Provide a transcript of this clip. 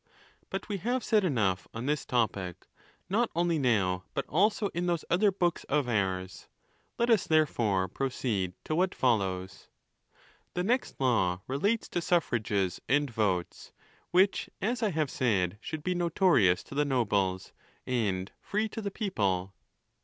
But we have said enough on this topic, not only now, but also in those other books of ours. Let us therefore pro ceed to what follows. The next law relates to suffrages and votes, which, as I have said, should be notorious to the nobles, and free to the people.